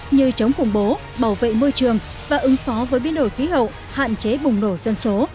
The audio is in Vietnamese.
như chống khủng bố bảo vệ môi trường và ứng phó với biến đổi khí hậu hạn chế bùng nổ dân số